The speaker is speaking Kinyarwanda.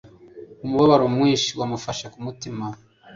Umubabaro mwinshi wamufashe ku mutima